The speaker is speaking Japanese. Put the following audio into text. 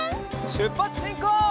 しゅっぱつしんこう！